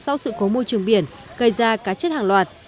sau sự cố môi trường biển gây ra cá chết hàng loạt